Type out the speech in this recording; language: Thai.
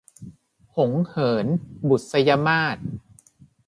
หงส์เหิน - บุษยมาส